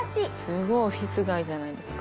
すごいオフィス街じゃないですか。